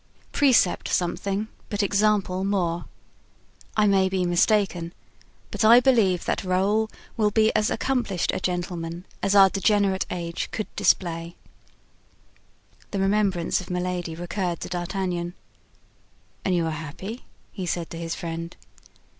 Precept something, but example more. I may be mistaken, but I believe that Raoul will be as accomplished a gentleman as our degenerate age could display." The remembrance of Milady recurred to D'Artagnan. "And you are happy?" he said to his friend.